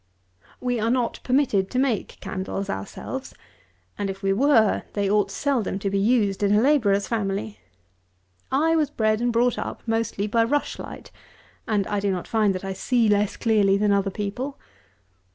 193. We are not permitted to make candles ourselves, and if we were, they ought seldom to be used in a labourer's family. I was bred and brought up mostly by rush light, and I do not find that I see less clearly than other people.